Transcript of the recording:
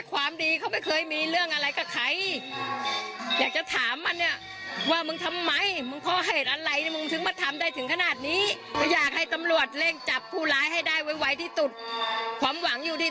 ความหวังอยู่ที่ตำรวจ